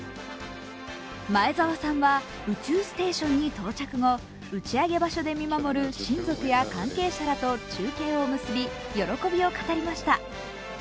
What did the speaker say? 前澤さんは宇宙ステーションに到着後、打ち上げ場所で見守る親族や関係者らと中継を結び喜びを語りました。